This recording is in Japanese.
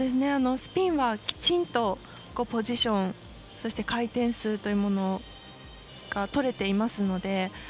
スピンはきちんとポジションそして回転数というものがとれていますので。